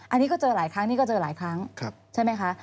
อันนี้ก็เจอหลายครั้งนี่ก็เจอหลายครั้งใช่ไหมคะ